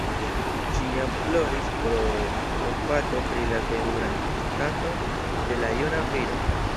Ŝi jam ploris pro kompato pri la terura stato de la juna viro.